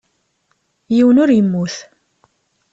Yiwen ur yemmut.